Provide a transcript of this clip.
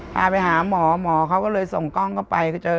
พาไปหาหมอหมอเขาก็เลยส่งกล้องเข้าไปเจอ